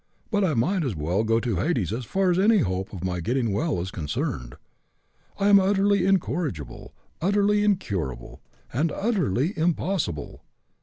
But I might as well go to Hades as far as any hope of my getting well is concerned. I am utterly incorrigible, utterly incurable, and utterly impossible.